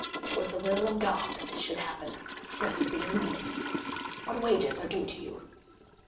It was the will of God that this should happen, blessed be his name. What wages are due to you?"